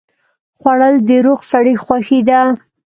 خوړل د روغ سړي خوښي ده